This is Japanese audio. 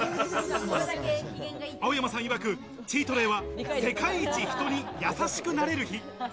青山さんいわく、チートデイは世界一人に優しくなれる日。